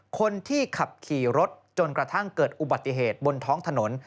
คนที่ขับขี่รถจนกระทั่งเกิดอุบัติเหตุบนท้องถนน